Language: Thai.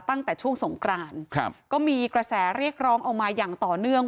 ตั้งแต่ช่วงสงกรานครับก็มีกระแสเรียกร้องออกมาอย่างต่อเนื่อง